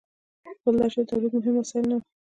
بل دا چې د تولید مهم وسایل نه وو.